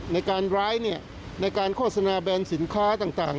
ในการร้ายในการโฆษณาแบนสินค้าต่าง